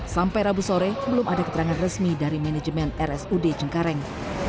sampai rabu sore belum ada keterangan resmi dari manajemen rsud cengkareng